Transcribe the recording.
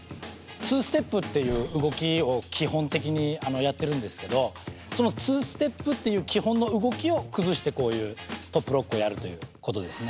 ツーステップっていう動きを基本的にやってるんですけどそのツーステップっていう基本の動きを崩してこういうトップロックをやるということですね。